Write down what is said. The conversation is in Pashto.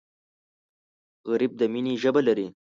غریب د مینې ژبه لري